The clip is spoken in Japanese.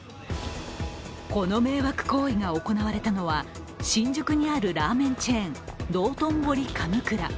この迷惑行為が行われたのは新宿にあるラーメンチェーン、どうとんぼり神座。